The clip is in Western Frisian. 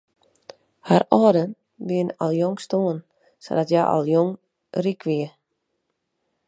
Har âlden wiene al hiel jong stoarn sadat hja al jong ryk wie.